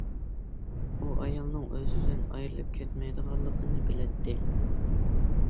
ئۇ ئايالىنىڭ ئۆزىدىن ئايرىلىپ كەتمەيدىغانلىقىنى بىلەتتى.